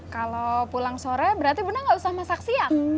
kalau pulang sore berarti bunda enggak usah masak siang